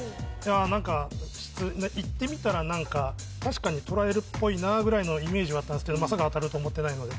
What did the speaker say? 何か言ってみたら何か確かに「とらえる」っぽいなぐらいのイメージはあったんですけどまさか当たると思ってないので